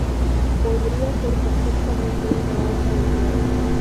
Podría ser perfectamente una obra de teatro.